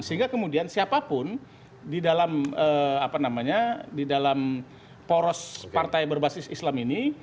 sehingga kemudian siapapun di dalam poros partai berbasis islam ini